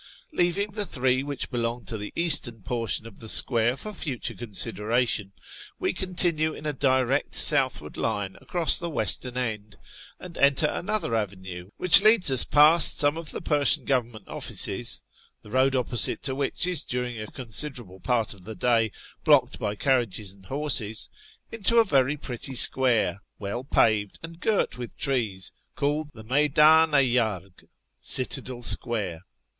Leaving the three which belong to the eastern portion of the square for future consideration, we continue in a direct southward line across the western end, and enter another avenue, which leads us past some of the Persian Government Offices (the road opposite to which is, during a considerable part of the day, blocked by carriages and horses) into a very pretty square, well paved and girt with trees, called the Mcyddn i Arg (" Citadel Square